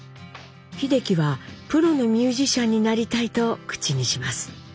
秀樹は「プロのミュージシャンになりたい」と口にします。